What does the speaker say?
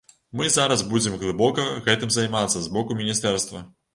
Мы зараз будзем глыбока гэтым займацца з боку міністэрства.